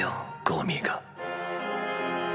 ゴミが。